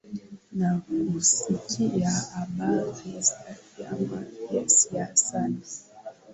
na kusikia habari za vyama vya siasa na